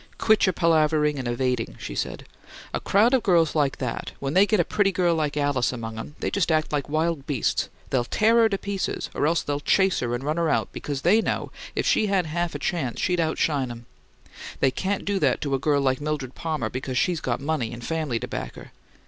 "Quit your palavering and evading," she said. "A crowd of girls like that, when they get a pretty girl like Alice among them, they act just like wild beasts. They'll tear her to pieces, or else they'll chase her and run her out, because they know if she had half a chance she'd outshine 'em. They can't do that to a girl like Mildred Palmer because she's got money and family to back her.